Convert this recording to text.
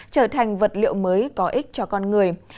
trở thành vật liệu mới có ích cho con người